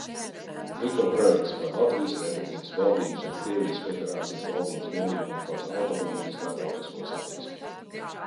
"Likumprojekts "Par Latvijas Republikas valdības un Krievijas Federācijas valdības nolīgumu par automobiļu starptautisko satiksmi"."